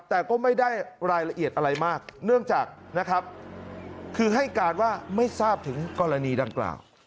แต่ก็ไม่ได้รายละเอียดอะไรมากเนื่องจากนะครับคือให้การว่าไม่ทราบถึงกรณีดังกล่าว